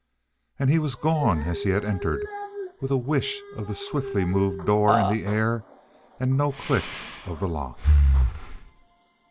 And he was gone as he had entered, with a whish of the swiftly moved door in the air, and no click of the lock.